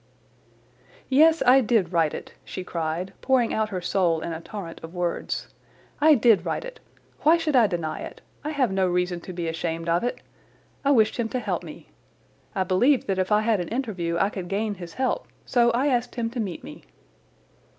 "Yes, I did write it," she cried, pouring out her soul in a torrent of words. "I did write it. Why should I deny it? I have no reason to be ashamed of it. I wished him to help me. I believed that if I had an interview I could gain his help, so I asked him to meet me."